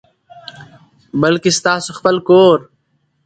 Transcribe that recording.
بلکي ستاسو خپل کور،